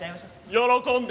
喜んで。